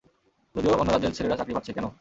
যদিও অন্য রাজ্যের ছেলেরা চাকরি পাচ্ছে, কেন?